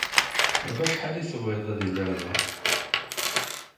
Ɣef wacḥal ay tebɣiḍ ad iliɣ da?